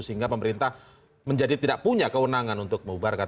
sehingga pemerintah menjadi tidak punya kewenangan untuk membubarkan